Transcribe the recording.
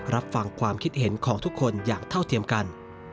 รับฟังความคิดเห็นของทุกคนอย่างเท่าเทียมกัน